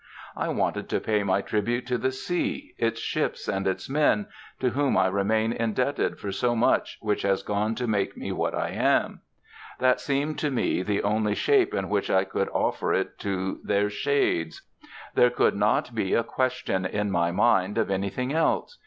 I wanted to pay my tribute to the sea, its ships and its men, to whom I remain indebted for so much which has gone to make me what I am. That seemed to me the only shape in which I could offer it to their shades. There could not be a question in my mind of anything else.